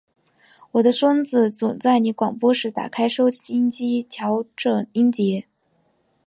我的孙子总在你广播时打开收音机调整音节。